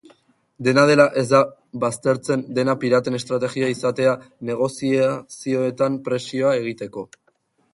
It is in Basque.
Dena dela, ez da baztertzen dena piraten estrategia izatea negoziazioetan presioa egiteko.